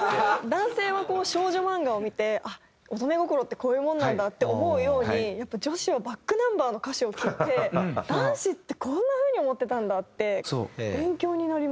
男性はこう少女漫画を見て乙女心ってこういうもんなんだって思うようにやっぱ女子はｂａｃｋｎｕｍｂｅｒの歌詞を聴いて男子ってこんな風に思ってたんだって勉強になります。